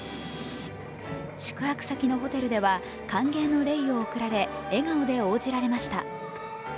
宿泊先のホテルでは、歓迎のレイを贈られ、笑顔で応じられました。